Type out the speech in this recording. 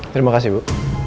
terima kasih bu